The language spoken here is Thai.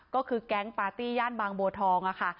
ก็คือแก๊งปาร์ตี้ย่านบางบัวทองค่ะ